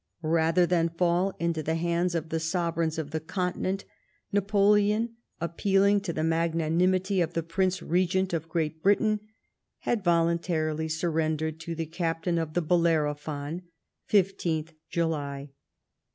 Rather than fall into the hands of the Sovereigns of the Continent, Napoleon, appealing to the magnanimity of the Prince Regent of Great Britain, had voluntarily surrendered to the captain of the Belleroplion (15th July).